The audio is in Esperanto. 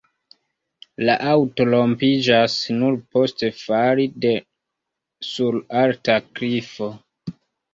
La aŭto rompiĝas nur post fali de sur alta klifo.